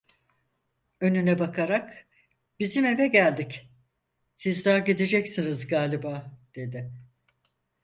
Önüne bakarak: "Bizim eve geldik, siz daha gideceksiniz galiba!" dedi.